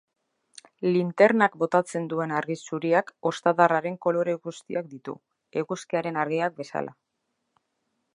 Linternak botatzen duen argi zuriak ostadarraren kolore guztiak ditu, eguzkiaren argiak bezala.